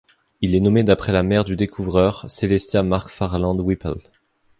Il est nommé d'après la mère du découvreur, Celestia MacFarland Whipple.